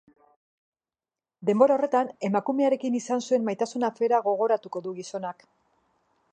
Denbora horretan, emakumearekin izan zuen maitasun afera gogoratuko du gizonak.